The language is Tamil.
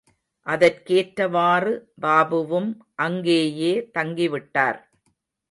அதற்கேற்றவாறு பாபுவும் அங்கேயே தங்கிவிட்டார்.